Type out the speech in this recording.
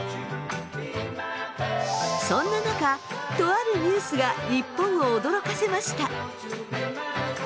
そんな中とあるニュースが日本を驚かせました。